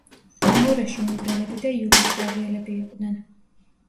მეორეში უნგრელები და იუგოსლავიელები იყვნენ.